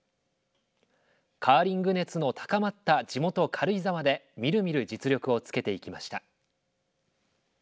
カーリング熱の高まった地元・軽井沢でみるみる実力をつけていきました。